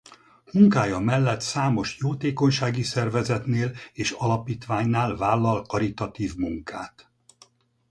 Munkája mellett számos jótékonysági szervezetnél és alapítványnál vállal karitatív munkát.